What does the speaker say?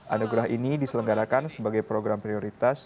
anugerah ini diselenggarakan sebagai program prioritas